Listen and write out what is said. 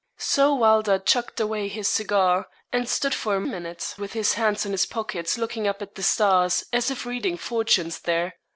So Wylder chucked away his cigar, and stood for a minute with his hands in his pockets looking up at the stars, as if reading fortunes there.